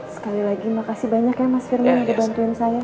sekali lagi makasih banyak ya mas firmin yang ngebantuin saya